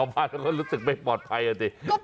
เอามาแล้วเขารู้สึกไม่ปลอดภัยอาจริง